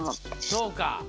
そうか！